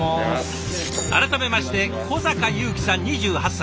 改めまして小坂裕輝さん２８歳。